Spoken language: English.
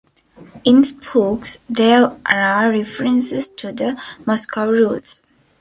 In "Spooks" there are references to the Moscow Rules.